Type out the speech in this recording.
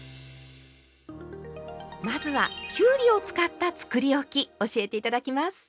まずはきゅうりを使ったつくりおき教えて頂きます。